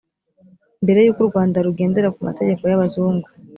mbere yuko u rwanda rugendera ku mategeko y abazungu